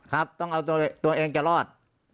ครับต้องเอาตัวเองจะรอด